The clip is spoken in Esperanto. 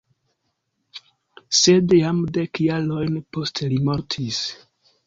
Sed jam dek jarojn poste li mortis.